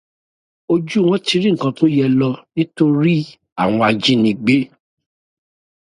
Ojú wọn tí rí ju nǹkan tó yẹ lọ nítorí àwọn ajínigbé.